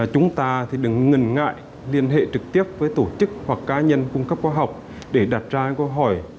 chúng ta đừng ngần ngại liên hệ trực tiếp với tổ chức hoặc cá nhân cung cấp khoa học để đặt ra những câu hỏi